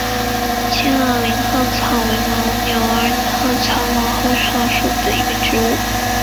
丘陵老鹳草为牻牛儿苗科老鹳草属的植物。